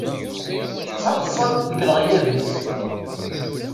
Ttaḍsan-t deg leɣyab-is.